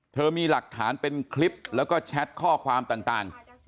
เธอมีหลักฐานเป็นคลิปแล้วก็แชทข้อความต่าง